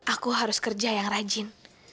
aku harus kerja yang rajin